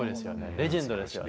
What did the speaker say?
レジェンドですよね。